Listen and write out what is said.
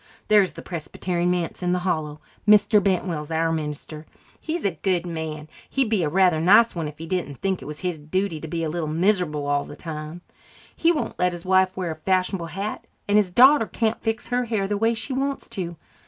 There's the Presbyterian manse in the hollow. Mr. Bentwell's our minister. He's a good man and he'd be a rather nice one if he didn't think it was his duty to be a little miserable all the time. He won't let his wife wear a fashionable hat, and his daughter can't fix her hair the way she wants to.